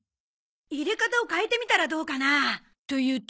入れ方を変えてみたらどうかな？というと？